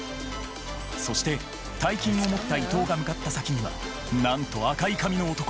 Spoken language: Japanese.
そして大金を持った伊藤が向かった先にはなんと赤い髪の男